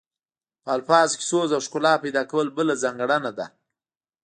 په الفاظو کې سوز او ښکلا پیدا کول بله ځانګړنه ده